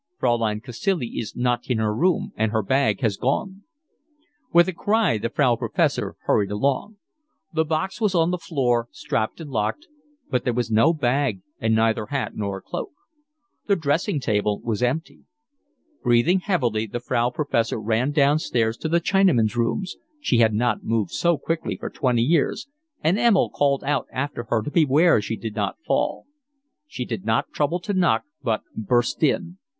"Fraulein Cacilie is not in her room, and her bag has gone." With a cry the Frau Professor hurried along: the box was on the floor, strapped and locked; but there was no bag, and neither hat nor cloak. The dressing table was empty. Breathing heavily, the Frau Professor ran downstairs to the Chinaman's rooms, she had not moved so quickly for twenty years, and Emil called out after her to beware she did not fall; she did not trouble to knock, but burst in.